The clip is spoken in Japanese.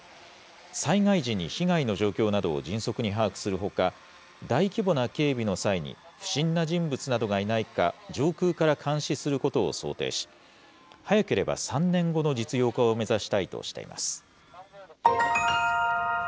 災害時に被害の状況などを迅速に把握するほか、大規模な警備の際に、不審な人物などがいないか上空から監視することを想定し、早ければ３年後の実用化を目指したいとしています。